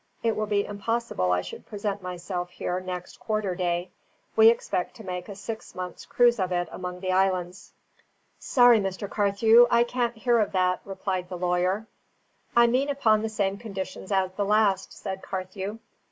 It will be impossible I should present myself here next quarter day; we expect to make a six months' cruise of it among the islands." "Sorry, Mr. Carthew: I can't hear of that," replied the lawyer. "I mean upon the same conditions as the last," said Carthew.